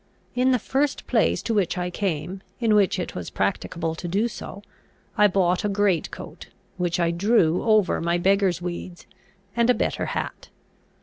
In the first place to which I came, in which it was practicable to do so, I bought a great coat, which I drew over my beggar's weeds, and a better hat.